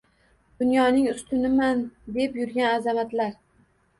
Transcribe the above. Dunyoning ustuniman, deb yurgan azamatlar